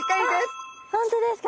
わっ本当ですか！？